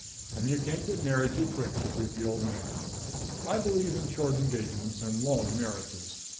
And you can't get married too quick to suit the old man. I believe in short engagements and long marriages.